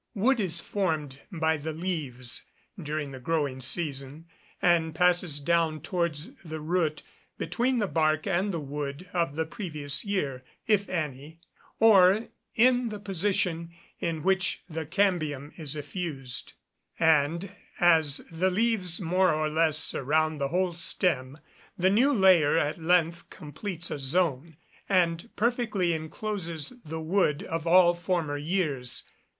Wood is formed by the leaves during the growing season, and passes down towards the root between the bark and the wood of the previous year (if any), or in the position in which cambium is effused; and, as the leaves more or less surround the whole stem, the new layer at length completes a zone, and perfectly encloses the wood of all former years.